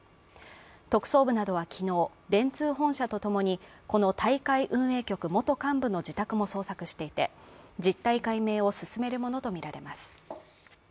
特捜部などは昨日電通本社と共にこの大会運営局元幹部の自宅も捜索していて、実態解明を進めるものとみられます。